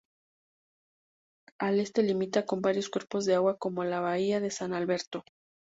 Al este limita con varios cuerpos de agua como la bahía de San Alberto.